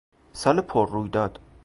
سال پر رویداد